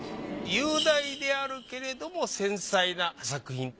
雄大であるけれども繊細な作品。